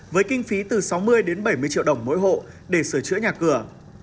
với kinh phí từ sáu mươi đến bảy mươi triệu đồng mỗi hộ để sửa chữa nhà cửa